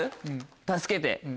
助けて。